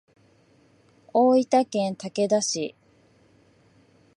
大分県竹田市